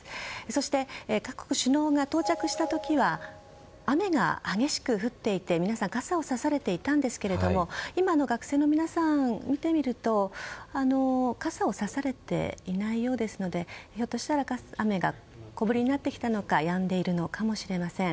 そして、各国首脳が到着した時は雨が激しく降っていて皆さん傘をさされていたんですが今、学生の皆さん見てみると傘をさされていないようですのでひょっとしたら雨が小降りになってきたのかやんでいるのかもしれません。